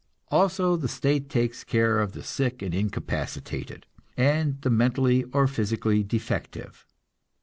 Also the state takes care of the sick and incapacitated, and the mentally or physically defective.